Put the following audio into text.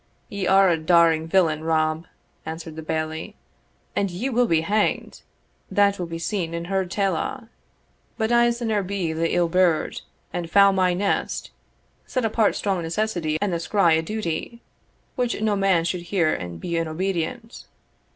"Ye are a dauring villain, Rob," answered the Bailie; "and ye will be hanged, that will be seen and heard tell o'; but I'se ne'er be the ill bird and foul my nest, set apart strong necessity and the skreigh of duty, which no man should hear and be inobedient.